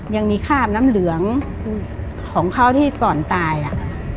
ยังมีคราบน้ำเหลืองของเขาที่ก่อนตายอ่ะ